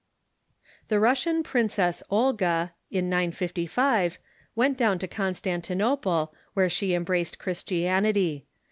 The Russian princess Olga, in 955, went down to Constan tinople, where she embraced Christianity.